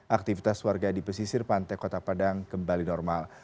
aktivitas warga di pesisir pantai kota padang kembali normal